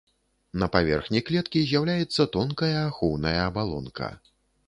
На паверхні клеткі з'яўляецца тонкая ахоўная абалонка.